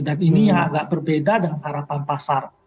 dan ini agak berbeda dengan harapan pasar